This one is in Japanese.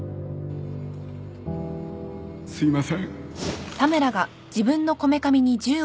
すいません